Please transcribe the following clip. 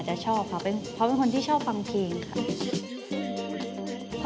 แต่ชอบค่ะเพราะเป็นคนที่ชอบฟังเพลงค่ะ